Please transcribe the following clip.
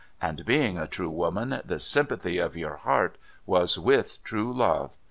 And, being a true woman, the sympathy of your heart was with true love.'